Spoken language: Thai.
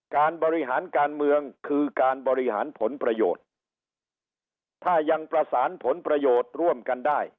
การบริหารการเมืองคือการบริหารผลประโยชน์ถ้ายังประสานผลประโยชน์ร่วมกันได้